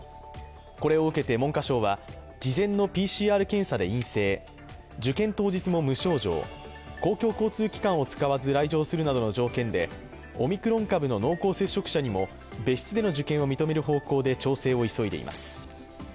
これを受けて文科省は事前のＰＣＲ検査で陰性受験当日も無症状公共交通機関を使わず来場するなどの条件でオミクロン株の濃厚接触者にも別室での受験を認める方向で調整を急いでいます。